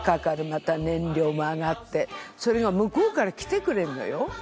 また燃料も上がってそれが向こうから来てくれるのよ